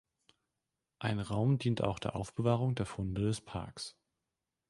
Ein Raum dient auch der Aufbewahrung der Funde des Parks.